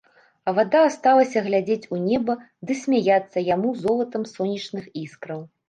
А вада асталася глядзець у неба ды смяяцца яму золатам сонечных іскраў.